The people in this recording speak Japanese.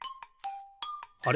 あれ？